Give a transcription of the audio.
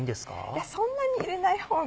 いやそんなに入れない方が。